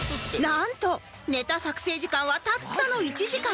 なんとネタ作成時間はたったの１時間！